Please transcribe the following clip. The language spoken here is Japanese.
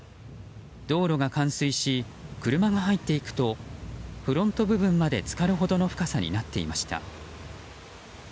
道路が冠水し、車が入っていくとフロント部分まで浸かるほどの深さになっていました。